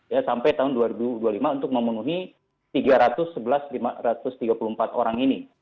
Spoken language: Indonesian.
ya sampai tahun dua ribu dua puluh lima untuk memenuhi tiga ratus sebelas lima ratus tiga puluh empat orang ini